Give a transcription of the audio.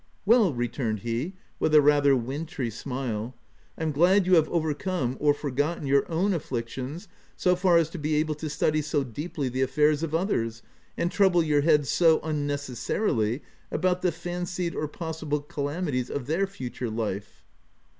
" Well !" returned he, with a rather wintry smile —" I'm glad you have overcome, or for. gotten your own afflictions so far as to be able to study so deeply the affairs of others, and trouble your head, so unnecessarily, about the fancied or possible calamities of their future life."